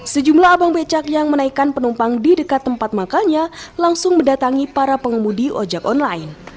sejumlah abang becak yang menaikkan penumpang di dekat tempat makannya langsung mendatangi para pengemudi ojek online